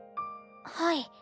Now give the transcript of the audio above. はい。